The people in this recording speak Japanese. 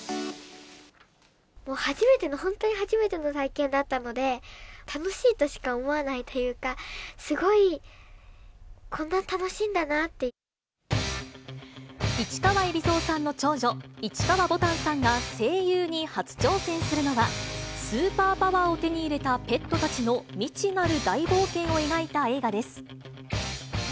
もう初めての、本当に初めての体験だったので、楽しいとしか思わないというか、市川海老蔵さんの長女、市川ぼたんさんが声優に初挑戦するのは、スーパーパワーを手に入れたペットたちの未知なる大冒険を描いた映画です。